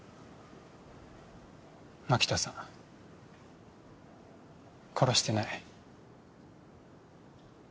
槙田さん殺してない。